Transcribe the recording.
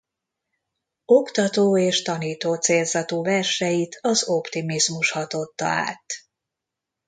Oktató és tanító célzatú verseit az optimizmus hatotta át.